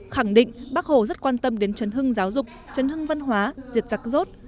khẳng định bác hồ rất quan tâm đến trấn hưng giáo dục trấn hưng văn hóa diệt giặc rốt